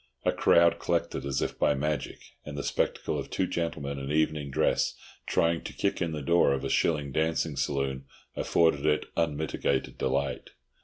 A crowd collected as if by magic, and the spectacle of two gentlemen in evening dress trying to kick in the door of a shilling dancing saloon afforded it unmitigated delight.